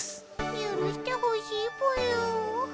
ゆるしてほしいぽよ。